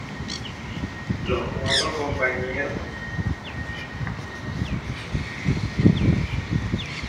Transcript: Los cuatro compañeros procedieron entonces a la creación de la primera tierra.